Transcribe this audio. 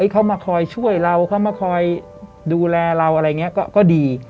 เขามาคอยช่วยเราเขามาคอยดูแลเราอะไรอย่างนี้ก็ดี